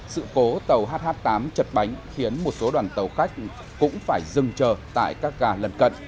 sự cố tàu hh tám chật bánh khiến một số đoàn tàu khách cũng phải dừng chờ tại các gà lần cận